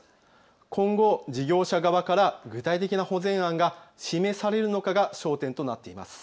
今後、事業者側から具体的な保全案が示されるかが焦点となっています。